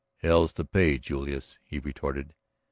"Hell's to pay, Julius," he retorted.